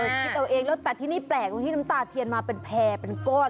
คิดตัวเองแต่ที่นี้แปลกว่าน้ำตาเทียนมาเป็นแผ่หรือเป็นก้อน